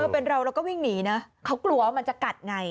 เป็นเราเราก็วิ่งหนีนะเขากลัวว่ามันจะกัดไง